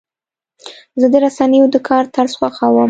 زه د رسنیو د کار طرز خوښوم.